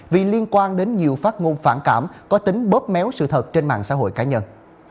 vì liên quan đến nhiều phát ngôn phản cảm có tính bóp méo sự thật trên mạng xã hội cá nhân